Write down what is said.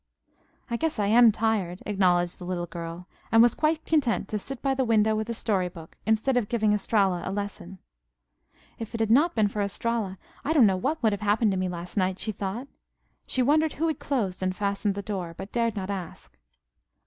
"I guess I am tired," acknowledged the little girl, and was quite content to sit by the window with a story book, instead of giving Estralla a lesson. "If it had not been for Estralla I don't know what would have happened to me last night," she thought. She wondered who had closed and fastened the front door, but dared not ask.